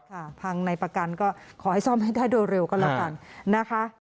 พังในประกันก็ขอให้ซ่อมให้ได้โดยเร็วก็แล้วกันนะคะ